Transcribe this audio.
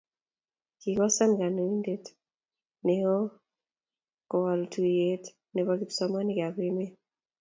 Kikosan konetinte ne oo kowok tuye ne bo kipsomaninik ab emet